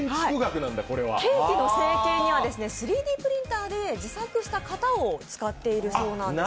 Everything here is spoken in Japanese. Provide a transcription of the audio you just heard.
ケーキの成形には３Ｄプリンターで自作した型を使っているそうなんです。